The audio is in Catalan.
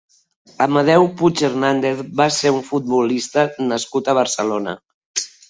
Amadeo Puig Hernández va ser un futbolista nascut a Barcelona.